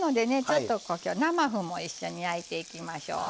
ちょっと今日生麩も一緒に焼いていきましょう。